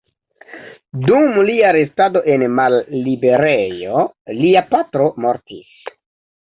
Dum lia restado en malliberejo lia patro mortis.